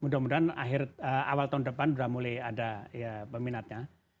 mudah mudahan awal tahun depan sudah mulai ada peminatnya